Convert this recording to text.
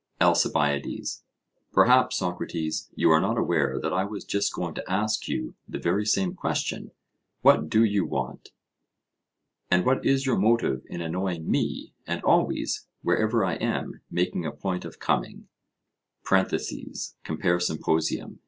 ALCIBIADES: Perhaps, Socrates, you are not aware that I was just going to ask you the very same question What do you want? And what is your motive in annoying me, and always, wherever I am, making a point of coming? (Compare Symp.)